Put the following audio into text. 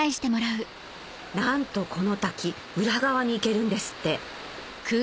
なんとこの滝裏側に行けるんですって